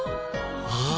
ああ